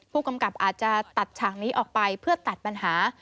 ผู้กำกับอาจจะตัดฉากนี้ออกไปเพื่อตัดปัญหา